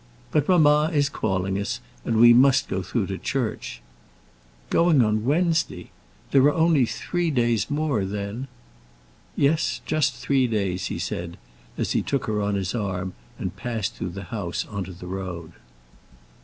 But mamma is calling us, and we must go through to church. Going on Wednesday! There are only three days more, then!" "Yes, just three days," he said, as he took her on his arm and passed through the house on to the road.